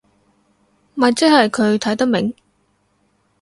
咪即係佢睇得明